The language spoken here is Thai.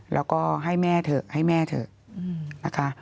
แล้วก็ให้แม่เถอะให้แม่เถอะนะคะ